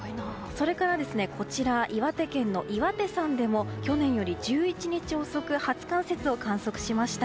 それからこちらは岩手県の岩手山でも去年より１１日遅く初冠雪を記録しました。